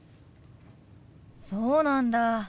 そうなんだ。